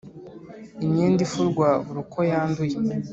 Imyenda ifurwa buri uko yanduye